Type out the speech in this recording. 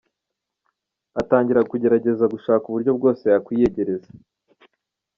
Atangira kugerageza gushaka uburyo bwose yakwiyegereza.